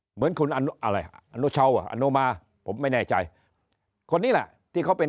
เหมือนคุณอะไรอโนเช้าอโนมาผมไม่แน่ใจคนนี้ล่ะที่เขาเป็น